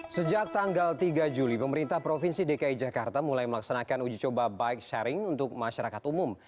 sejak tanggal tiga juli pemerintah provinsi dki jakarta mulai melaksanakan uji coba bike sharing untuk masyarakat umum